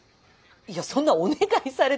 いやそんなお願いされても。